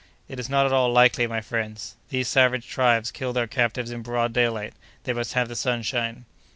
"It is not at all likely, my friends. These savage tribes kill their captives in broad daylight; they must have the sunshine."